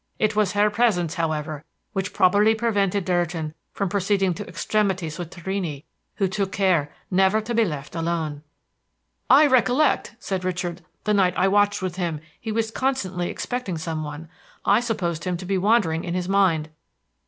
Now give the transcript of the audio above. It was her presence, however, which probably prevented Durgin from proceeding to extremities with Torrini, who took care never to be left alone." "I recollect," said Richard, "the night I watched with him he was constantly expecting some one. I supposed him to be wandering in his mind."